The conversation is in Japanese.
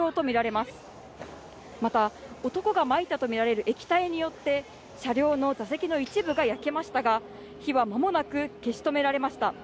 また、男がまいたとみられる液体によって、車両の座席の一部が焼けましたが火はまもなく消し止められました。